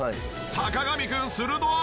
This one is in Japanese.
坂上くん鋭い！